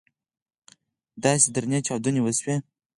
داسې درنې چاودنې وسوې.